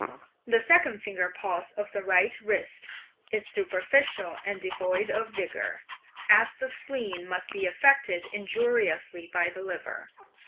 The second finger pulse of the right wrist is superficial and devoid of vigour, as the spleen must be affected injuriously by the liver.